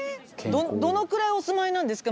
どのくらいお住まいなんですか？